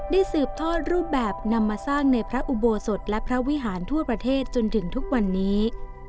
สืบทอดรูปแบบนำมาสร้างในพระอุโบสถและพระวิหารทั่วประเทศจนถึงทุกวันนี้